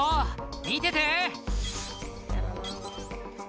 「見てて！」